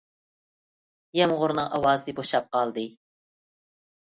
يامغۇرنىڭ ئاۋازى بوشاپ قالدى.